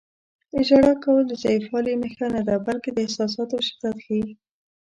• ژړا کول د ضعیفوالي نښه نه ده، بلکې د احساساتو شدت ښيي.